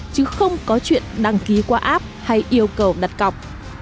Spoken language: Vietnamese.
chứ không có chuyện đăng ký qua app hay yêu cầu đặt cọc